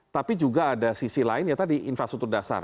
tapi juga ada sisi lain ya tadi infrastruktur dasar